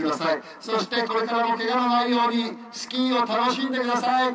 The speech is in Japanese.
そしてこれからもケガのないようにスキーを楽しんでください。